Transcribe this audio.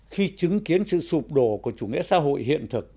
khi chứng kiến sự sụp đổ của chủ nghĩa xã hội hiện thực